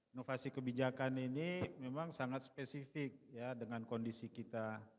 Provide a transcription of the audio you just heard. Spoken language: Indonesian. inovasi kebijakan ini memang sangat spesifik ya dengan kondisi kita